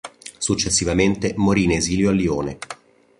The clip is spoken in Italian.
Successivamente morì in esilio a Lione.